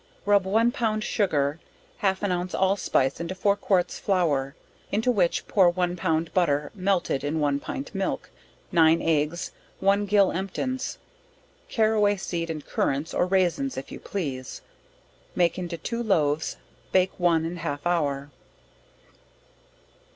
Rub one pound sugar, half an ounce allspice into four quarts flour, into which pour one pound butter, melted in one pint milk, nine eggs, one gill emptins, (carroway seed and currants, or raisins if you please) make into two loaves, bake one and half hour.